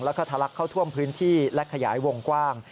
แล้วก็ทะลักเข้าท่วมพื้นที่และขยายวงกว้าง